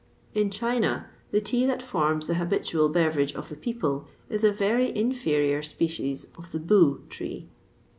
In China, the tea that forms the habitual beverage of the people is a very inferior species of the Boo tea.